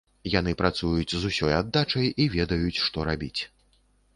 Яны працуюць з усёй аддачай і ведаюць, што рабіць.